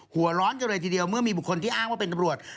หัวร้อนกันเลยทีเดียวเมื่อมีบุคคลที่อ้างว่าเป็นตำรวจ